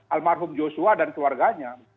almarhum joshua dan keluarganya